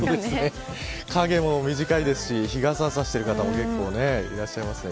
影も短いですし、日傘を差している方も結構いらっしゃいますね。